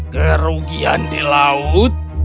kerugian di laut